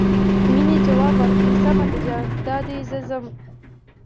مينې ځواب ورکړ سمه ده جان دادی زه ځم.